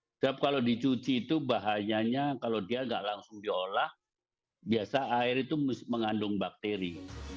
setiap kalau dicuci itu bahayanya kalau dia nggak langsung diolah biasa air itu mengandung bakteri